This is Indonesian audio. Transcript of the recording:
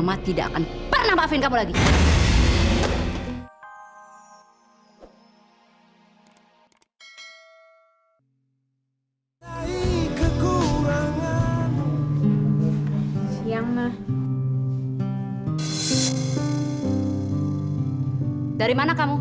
ma ke rumah teman